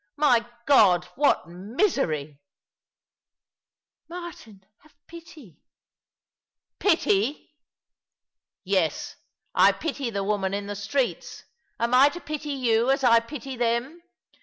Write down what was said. My God, what misery !"*' Martin, have pity !*" Pity I Yes, I pity the women in the streets ! Am I to pity you, as I pity them